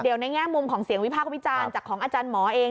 เดี๋ยวในแง่มุมของเสียงวิพากษ์วิจารณ์จากของอาจารย์หมอเอง